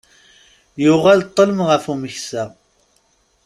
Yuɣal ṭṭelm ɣef umeksa.